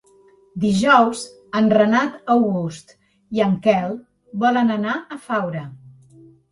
Dijous en Renat August i en Quel volen anar a Faura.